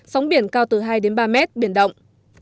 sóng biển cao từ hai đến ba mét biển động